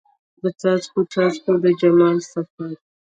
د څاڅکو، څاڅکو د جمال سفر